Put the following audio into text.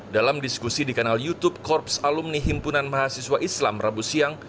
dalam diskusi di kanal youtube korps alumni himpunan mahasiswa islam rabu siang